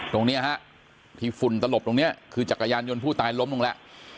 ตรงนี้ฮะที่ฝุ่นตลบตรงนี้คือจักรยานยนต์ผู้ตายล้มลงแล้ว